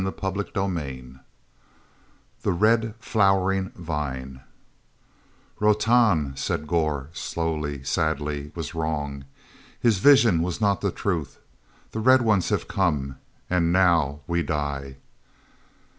CHAPTER XXII The Red Flowering Vine otan," said Gor slowly, sadly, "was wrong. His vision was not the truth. The Red Ones have come. And now—we die."